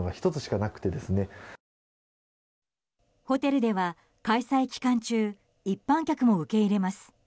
ホテルでは、開催期間中一般客も受け入れます。